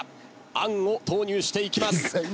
あんを投入していきます。